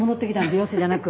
美容師じゃなく。